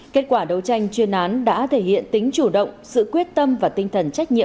kết quả đấu tranh chuyên án đã thể hiện tính chủ động sự quyết tâm và tinh thần trách nhiệm